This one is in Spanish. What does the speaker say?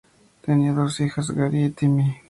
Tenía dos hijos, Gary y Timmy.